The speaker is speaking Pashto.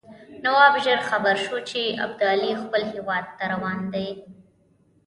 نواب ژر خبر شو چې ابدالي خپل هیواد ته روان دی.